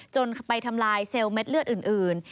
จนไปทำลายเซลล์เม็ดเลือดอื่น